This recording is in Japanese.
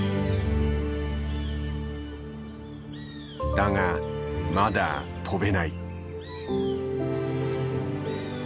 だがまだ飛べない。